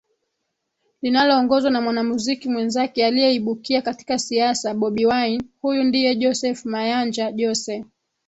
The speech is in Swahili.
linaloongozwa na mwanamuziki mwenzake aliyeibukia katika siasa Bobi Wine Huyu ndiye Joseph Mayanja Jose